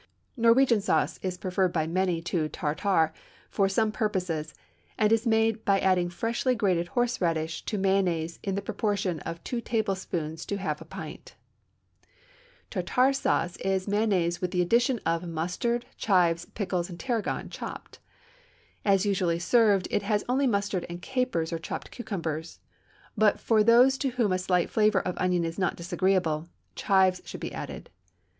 Norwegian sauce is preferred by many to Tartare for some purposes, and is made by adding freshly grated horseradish to mayonnaise in the proportion of two tablespoonfuls to half a pint. Tartare sauce is mayonnaise with the addition of mustard, chives, pickles, and tarragon, chopped. As usually served, it has only mustard and capers or chopped cucumber, but for those to whom a slight flavor of onion is not disagreeable, chives should be added.